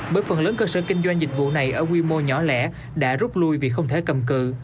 bởi phần lớn cơ sở kinh doanh dịch vụ này ở quy mô nhỏ lẻ đã rút lui vì không thể cầm cự